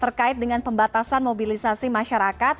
terkait dengan pembatasan mobilisasi masyarakat